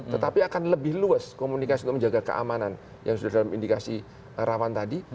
tetapi akan lebih luas komunikasi untuk menjaga keamanan yang sudah dalam indikasi rawan tadi